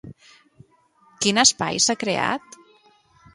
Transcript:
Quin espai s'ha creat?